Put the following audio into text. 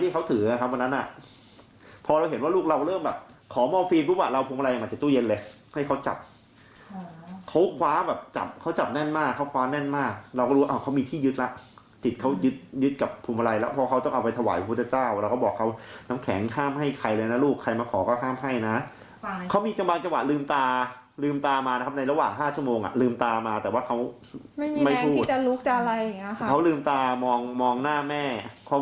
เขาคว้าแบบจับเขาจับแน่นมากเขาคว้าแน่นมากเราก็รู้ว่าอ่ะเขามีที่ยึดแล้วจิตเขายึดยึดกับภูมิวัลัยแล้วพอเขาต้องเอาไปถวายพระพุทธเจ้าแล้วก็บอกเขาน้ำแข็งข้ามให้ใครเลยนะลูกใครมาขอก็ข้ามให้นะเขามีจังบางจังหวะลืมตาลืมตามานะครับในระหว่างห้าชั่วโมงอ่ะลืมตามาแต่ว่าเขาไม่พูดไม่มีแมง